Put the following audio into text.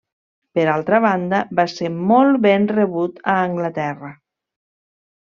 Per altra banda, va ser molt ben rebut a Anglaterra.